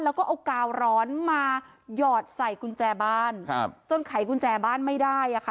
แล้วก็เอากาวร้อนมาหยอดใส่กุญแจบ้านครับจนไขกุญแจบ้านไม่ได้อ่ะค่ะ